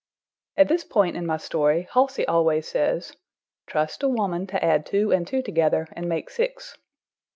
At this point in my story, Halsey always says: "Trust a woman to add two and two together, and make six."